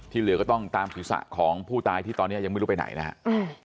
เหลือก็ต้องตามศีรษะของผู้ตายที่ตอนนี้ยังไม่รู้ไปไหนนะครับ